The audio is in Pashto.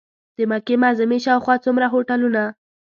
د مکې معظمې شاوخوا څومره هوټلونه.